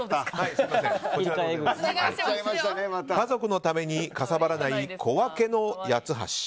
家族のためにかさばらない小分けの八ツ橋。